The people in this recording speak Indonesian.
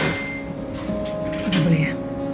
bisa boleh ya